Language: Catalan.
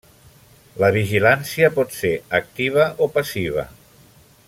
La vigilància pot ser activa o passiva.